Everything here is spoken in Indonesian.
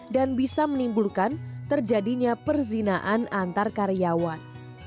dan bisa menimbulkan terjadinya perzinaan antar karyawan